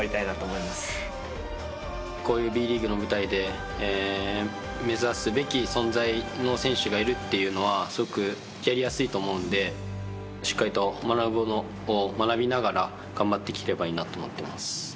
こういうＢリーグの舞台で目指すべき存在の選手がいるっていうのはすごくやりやすいと思うのでしっかりと学ぶものを学びながら頑張っていければいいなと思ってます。